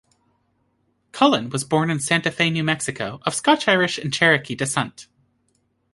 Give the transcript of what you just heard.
Cullin was born in Santa Fe, New Mexico, of Scotch-Irish and Cherokee descent.